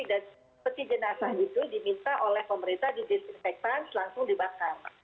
dan peti jenazah itu diminta oleh pemerintah disinfektan selanjutnya dibakar